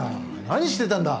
何してたんだ！